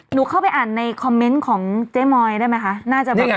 เข้าไปอ่านในคอมเมนต์ของเจ๊มอยได้ไหมคะน่าจะแบบ